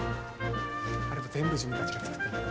あれも全部自分たちが作ってんねん。